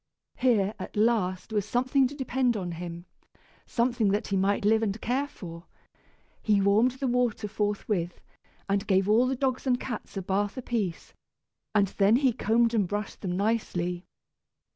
Here, at last, was something to depend on him, something that he might live and care for. He warmed the water forthwith, and gave all the dogs and cats a bath apiece, and then he combed and brushed them nicely.